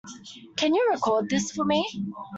Can you record this for me?